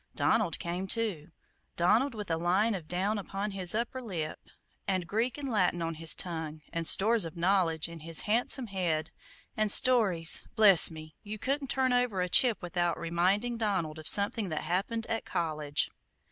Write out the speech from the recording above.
Donald came, too; Donald, with a line of down upon his upper lip, and Greek and Latin on his tongue, and stores of knowledge in his handsome head, and stories bless me, you couldn't turn over a chip without reminding Donald of something that happened "at College."